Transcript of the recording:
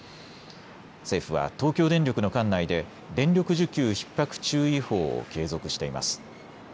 政府は東京電力の管内で電力需給ひっ迫注意報を継続しています。